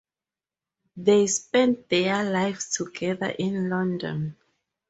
They spent their lives together in London.